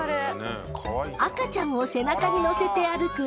赤ちゃんを背中に乗せて歩く